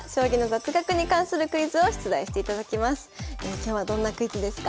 今日はどんなクイズですか？